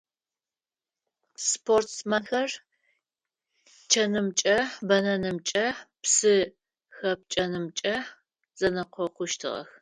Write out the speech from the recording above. Спортсменхэр чъэнымкӀэ, бэнэнымкӀэ, псы хэпкӀэнымкӀэ зэнэкъокъущтыгъэх.